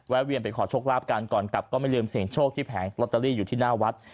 เวียนไปขอโชคลาภกันก่อนกลับก็ไม่ลืมเสี่ยงโชคที่แผงลอตเตอรี่อยู่ที่หน้าวัด